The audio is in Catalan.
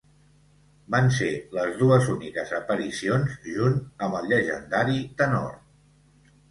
Van ser les dues úniques aparicions junt amb el llegendari tenor.